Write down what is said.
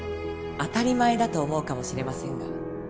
当たり前だと思うかもしれませんが